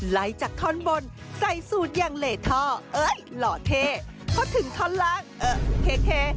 ไล่จากท่อนบนใส่สูตรอย่างเลท่อเอ้ยหล่อเท่พอถึงท่อนล่างเออโอเค